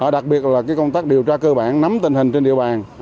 đặc biệt là công tác điều tra cơ bản nắm tình hình trên địa bàn